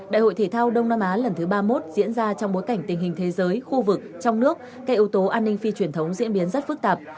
đại hội thể thao đông nam á lần thứ ba mươi một diễn ra trong bối cảnh tình hình thế giới khu vực trong nước các ưu tố an ninh phi truyền thống diễn biến rất phức tạp